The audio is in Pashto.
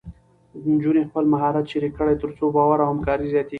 نجونې خپل مهارت شریک کړي، تر څو باور او همکاري زیاتېږي.